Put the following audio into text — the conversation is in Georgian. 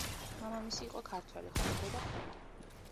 მამამისი იყო ქართველი, ხოლო დედა ფრანგი.